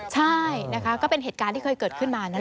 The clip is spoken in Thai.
ใช่นะคะก็เป็นเหตุการณ์ที่เคยเกิดขึ้นมานั่นแหละ